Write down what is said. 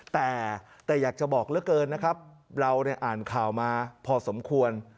แต่แต่อยากจะบอกละเกินนะครับเราเนี่ยอ่านข่าวมาพอสมควร